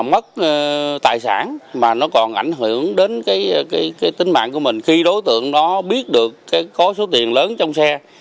nhưng mà mất tài sản mà nó còn ảnh hưởng đến cái tính mạng của mình khi đối tượng nó biết được có số tiền lớn trong xe